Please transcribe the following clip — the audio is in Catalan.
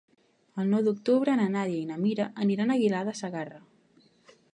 El nou d'octubre na Nàdia i na Mira aniran a Aguilar de Segarra.